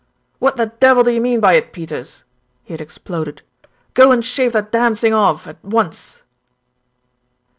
"What the devil do you mean by it, Peters?" he had exploded. "Go and shave that damned thing off at once."